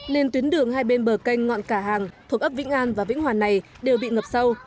nên tuyến đường hai bên bờ canh ngọn cả hàng thuộc ấp vĩnh an và vĩnh hoàn này đều bị ngập sâu